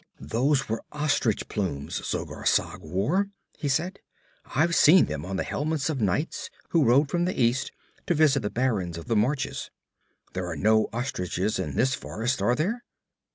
'Those were ostrich plumes Zogar Sag wore,' he said. 'I've seen them on the helmets of knights who rode from the East to visit the barons of the marches. There are no ostriches in this forest, are there?'